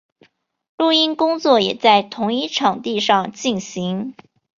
录音工作也在同一场地上进行。